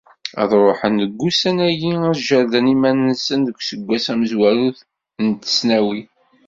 Ad ruḥen deg wussan-agi, ad jerden iman-nsen deg useggas amezwaru n tesnawit.